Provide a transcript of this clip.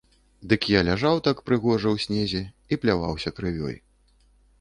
Дык я ляжаў так прыгожа ў снезе і пляваўся крывёй.